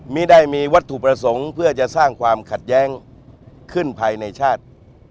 ไม่ได้มีวัตถุประสงค์เพื่อจะสร้างความขัดแย้งขึ้นภายในชาติ